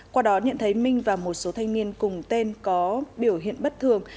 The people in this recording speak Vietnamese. qua đó nhận thấy minh và một số thanh niên cùng tên có biểu hiện bất thường